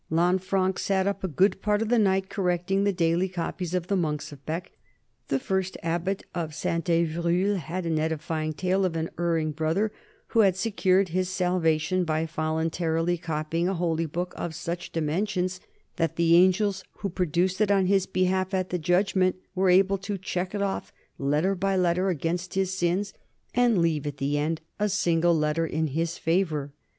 Lanfranc sat up a good part of the night correcting the daily copies of the monks of Bee; the first abbot of Saint Evroul had an edifying tale of an erring brother who had secured his salvation by volun tarily copying a holy book of such dimensions that the angels who produced it on his behalf at the judgment were able to check it off letter by letter against his sins and leave at the end a single letter in his favor!